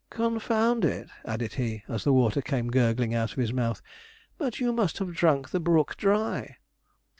'Confound it!' added he, as the water came gurgling out of his mouth, 'but you must have drunk the brook dry.'